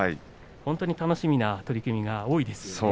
本当に楽しみな取組が多いですね。